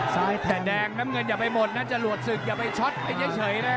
ซ้ายแต่แดงน้ำเงินอย่าไปหมดนะจรวดศึกอย่าไปช็อตไปเฉยเลย